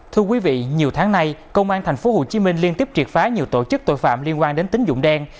thưa quý vị nhiều tháng nay công an tp hcm liên tiếp triệt phá nhiều tổ chức tội phạm liên quan đến tính dụng đen